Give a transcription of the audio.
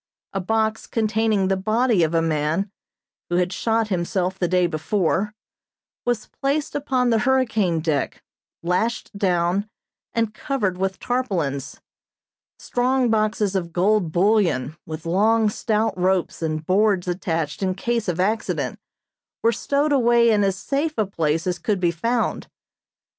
A box containing the body of a man, who had shot himself the day before, was placed upon the hurricane deck, lashed down, and covered with tarpaulins. Strong boxes of gold bullion, with long, stout ropes and boards attached in case of accident, were stowed away in as safe a place as could be found.